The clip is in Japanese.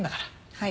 はい。